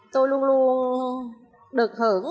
tôi luôn luôn được hưởng